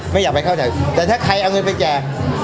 อยากไปเข้าใจแต่ถ้าใครเอาเงินไปแจก